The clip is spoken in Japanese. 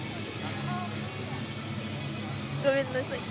ごめんなさい。